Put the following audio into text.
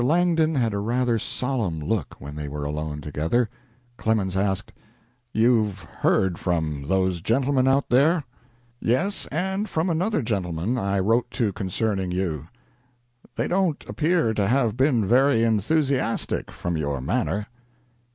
Langdon had a rather solemn look when they were alone together. Clemens asked, "You've heard from those gentlemen out there?" "Yes, and from another gentlemen I wrote to concerning you." "They don't appear to have been very enthusiastic, from your manner."